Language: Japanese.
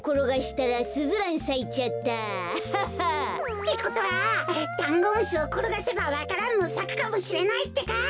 ってことはだんごむしをころがせばわか蘭もさくかもしれないってか。